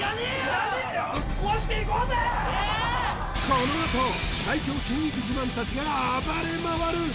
このあと最強筋肉自慢たちが暴れまわる！